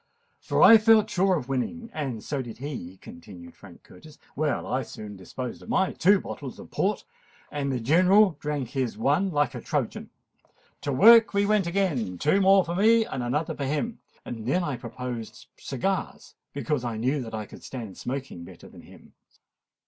"For I felt sure of winning—and so did he," continued Frank Curtis. "Well, I soon disposed of my two bottles of Port, and the General drank his one like a Trojan. To work we went again—two more for me, and another for him. Then I proposed cigars, because I knew that I could stand smoking better than him.